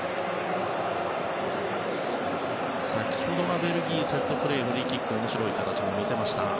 先ほどはベルギーセットプレー、フリーキック面白い形を見せました。